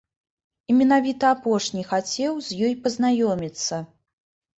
І менавіта апошні хацеў з ёй пазнаёміцца.